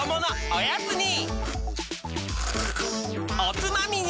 おつまみに！